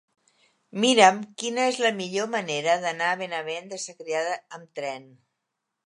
Mira'm quina és la millor manera d'anar a Benavent de Segrià amb tren.